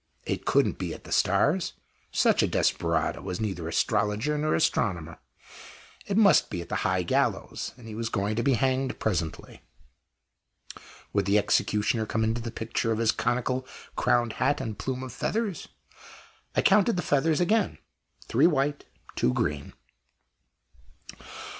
It couldn't be at the stars; such a desperado was neither astrologer nor astronomer. It must be at the high gallows, and he was going to be hanged presently. Would the executioner come into possession of his conical crowned hat and plume of feathers? I counted the feathers again three white, two green.